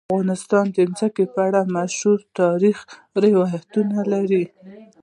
افغانستان د ځمکه په اړه مشهور تاریخی روایتونه لري.